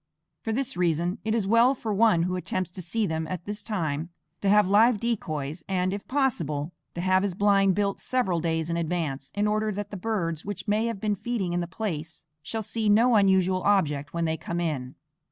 For this reason it is well for one who attempts to see them at this time to have live decoys and, if possible, to have his blind built several days in advance, in order that the birds which may have been feeding in the place shall see no unusual object when they come in.